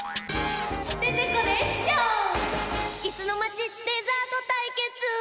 「いすのまちデザートたいけつ」！